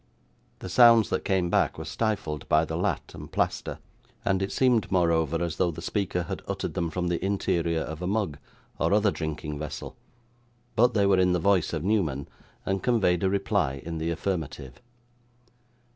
The sounds that came back were stifled by the lath and plaster, and it seemed moreover as though the speaker had uttered them from the interior of a mug or other drinking vessel; but they were in the voice of Newman, and conveyed a reply in the affirmative.